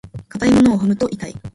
硬いものを踏むと痛い。